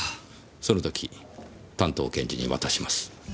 その時担当検事に渡します。